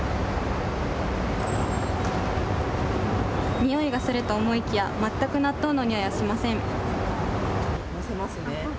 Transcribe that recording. においがすると思いきや全く納豆のにおいはしません。